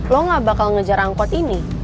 lo gak bakal ngejar angkot ini